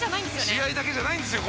試合だけじゃないんですよ